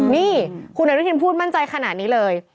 นี่คุณอนุทินพูดมั่นใจขนาดนี้เลย